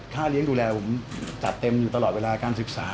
เลี้ยงดูแลผมจัดเต็มอยู่ตลอดเวลาการศึกษา